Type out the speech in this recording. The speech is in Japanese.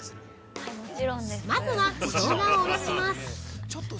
まずはしょうがをおろします！